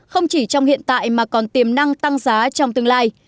không chỉ trong hiện tại mà còn tiềm năng tăng giá trong tương lai